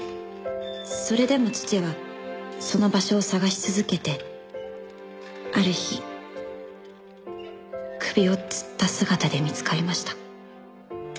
「それでも父はその場所を探し続けてある日首をつった姿で見つかりました」